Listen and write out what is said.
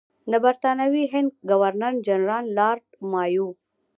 د برټانوي هند ګورنر جنرال لارډ مایو.